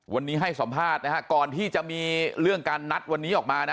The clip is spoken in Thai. วันนี้ให้สัมภาษณ์นะฮะก่อนที่จะมีเรื่องการนัดวันนี้ออกมานะ